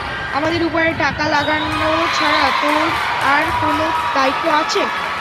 আমাদের উপরে টাকা লাগানো ছাড়া তোর আর কোনো দায়িত্ব আছে?